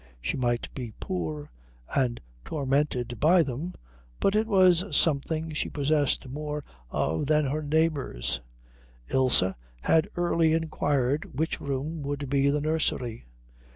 She might be poor and tormented by them, but it was something she possessed more of than her neighbours. Ilse had early inquired which room would be the nursery.